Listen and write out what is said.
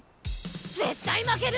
絶対負ける？